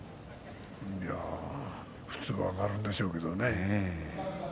普通は上がるでしょうけどね。